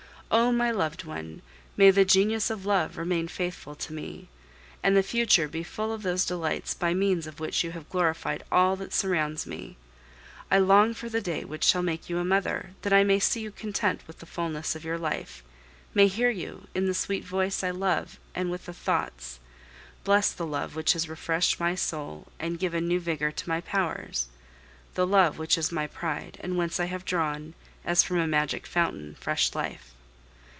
Oh! my loved one, may the genius of love remain faithful to me, and the future be full of those delights by means of which you have glorified all that surrounds me! I long for the day which shall make you a mother, that I may see you content with the fulness of your life, may hear you, in the sweet voice I love and with the thoughts, bless the love which has refreshed my soul and given new vigor to my powers, the love which is my pride, and whence I have drawn, as from a magic fountain, fresh life.